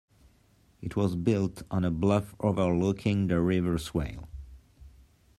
It was built on a bluff overlooking the River Swale.